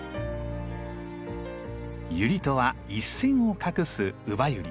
ユリとは一線を画すウバユリ。